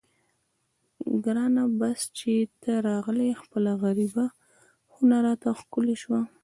ګرانه بس چې ته راغلې خپله غریبه خونه راته ښکلې شوه.